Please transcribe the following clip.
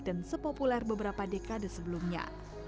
dan sepopuler beberapa dekade sebelumnya